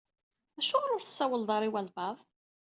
Acuɣeṛ ur tsawleḍ ara i walebɛaḍ?